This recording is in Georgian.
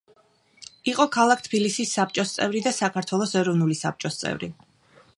იყო ქალაქ თბილისი საბჭოს წევრი და საქართველოს ეროვნული საბჭოს წევრი.